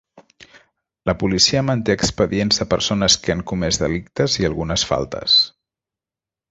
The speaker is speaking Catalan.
La policia manté expedients de persones que han comès delictes i algunes faltes.